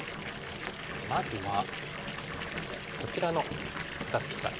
じゃあまずはこちらの肩ツキから。